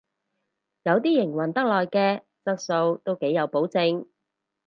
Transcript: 有啲營運得耐嘅質素都幾有保證